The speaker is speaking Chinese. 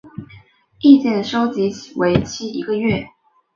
意见收集为期一个月。